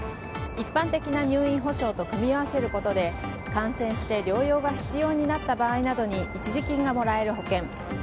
一般的な入院保障と組み合わせることで感染して療養が必要になった場合などに一時金がもらえる保険。